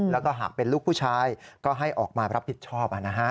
แล้วก็หากเป็นลูกผู้ชายก็ให้ออกมารับผิดชอบ